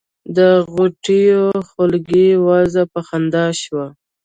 د غوټیو خولګۍ وازه په خندا شوه.